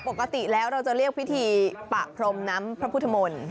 ปกติแล้วเราจะเรียกพิธีปะพรมน้ำพระพุทธมนตร์